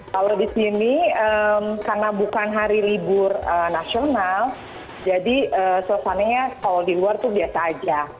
kalau di sini karena bukan hari libur nasional jadi suasananya kalau di luar itu biasa aja